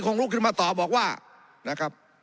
ลุกขึ้นมาตอบบอกว่านะครับ